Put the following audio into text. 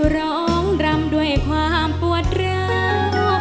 ร้องรำด้วยความปวดร้าว